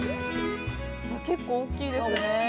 結構、大きいですね。